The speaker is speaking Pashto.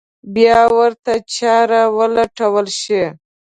بیا ورته چاره ولټول شي.